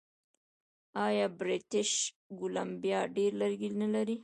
آیا بریټیش کولمبیا ډیر لرګي نلري؟